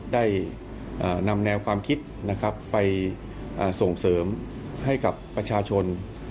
ได้นำแนวความคิดนะครับไปส่งเสริมให้กับประชาชน